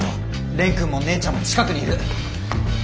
蓮くんも姉ちゃんも近くにいる！